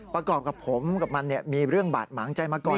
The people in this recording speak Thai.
ประกอบกับผมกับมันมีเรื่องบาดหมางใจมาก่อน